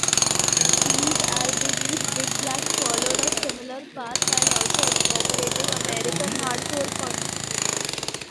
Steve Albini's Big Black followed a similar path, while also incorporating American hardcore punk.